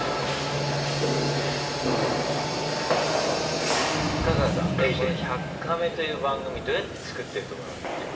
この「１００カメ」という番組どうやって作ってると思いますか？